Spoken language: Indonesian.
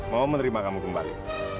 mau menerima kamu kembali